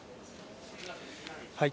はい。